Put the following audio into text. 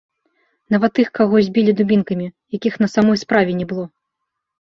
Нават тых, каго збілі дубінкамі, якіх на самой справе не было.